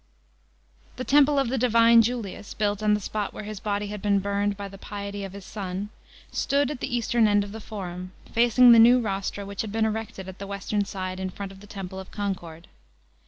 The Temple of the divine Julius, built on the spot where his body had been burned by the piety of his son, stood at the eastern end of the Forum, facing the new rostra which had been erected at the western side in front of the Temple of Concord.